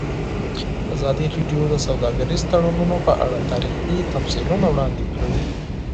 ازادي راډیو د سوداګریز تړونونه په اړه تاریخي تمثیلونه وړاندې کړي.